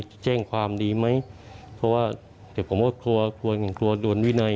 จะแจ้งความดีไหมเพราะว่าเดี๋ยวผมก็กลัวกลัวอย่างกลัวโดนวินัย